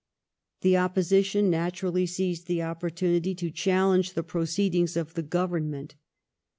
The Opposition naturally seized the opportunity to challenge the pro ceedings of the Government.